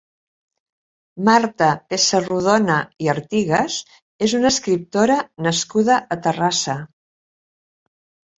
Marta Pessarrodona i Artigues és una escriptora nascuda a Terrassa.